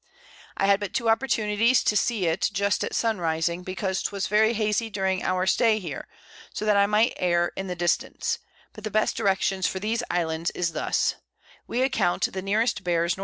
I had but two Opportunities to see it just at Sun rising, because 'twas very hazey during our Stay here, so that I might err in the Distance; but the best Directions for these Islands is thus: We account the nearest bears N.N.